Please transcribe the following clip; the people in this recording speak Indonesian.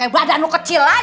badan lo kecil aja sih